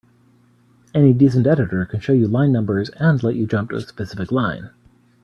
Any decent editor can show you line numbers and let you jump to a specific line.